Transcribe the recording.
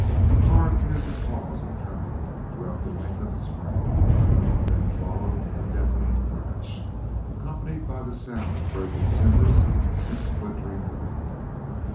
The car appeared to pause and tremble throughout the length of its frame; then followed a deafening crash, accompanied by the sound of breaking timbers and splintering wood.